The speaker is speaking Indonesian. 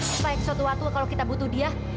supaya suatu waktu kalau kita butuh dia